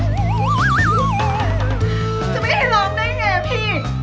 ไม่ได้ร้องได้ไงพี่